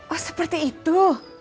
oh seperti itu